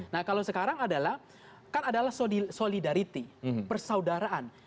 nah kalau sekarang adalah solidariti persaudaraan